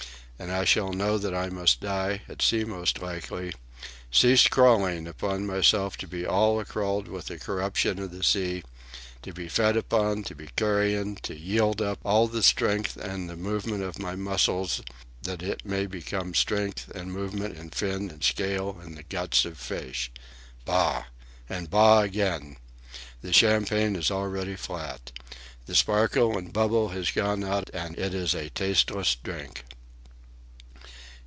And I shall know that I must die, at sea most likely, cease crawling of myself to be all a crawl with the corruption of the sea; to be fed upon, to be carrion, to yield up all the strength and movement of my muscles that it may become strength and movement in fin and scale and the guts of fishes. Bah! And bah! again. The champagne is already flat. The sparkle and bubble has gone out and it is a tasteless drink."